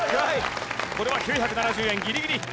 これは９７０円ギリギリ！